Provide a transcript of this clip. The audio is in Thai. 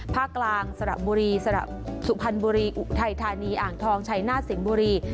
ภาคกลางสระบุรีสระสุพันธ์บุรีอุไทธานีอ่างทองชัยนาสิงบุรี